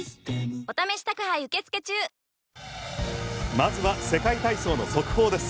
まずは世界体操の速報です。